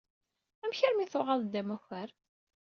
Amek armi i tuɣaleḍ d amakar?